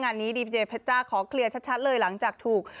งานนี้ดีเจเพชจ้าขอเคลียร์ชัดเลยหลังจากถูก